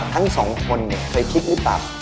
ทั้งสองคนเคยคิดหรือเปล่า